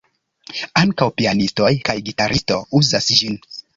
Ankaŭ pianistoj kaj gitaristo uzas ĝin.